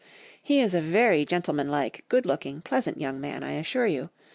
He is a very gentlemanlike, good looking, pleasant young man, I assure you.